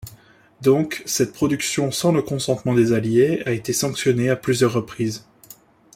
Donc, cette production sans le consentement des alliés a été sanctionnée à plusieurs reprises.